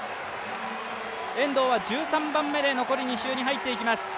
遠藤は１３番目で残り２周に入っていきます。